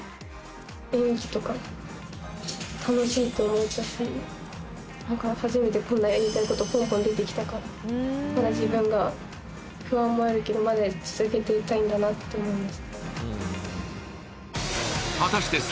あと思えたし何か初めてこんなやりたいことポンポン出てきたからまだ自分が不安もあるけどまだ続けていたいんだなって思いました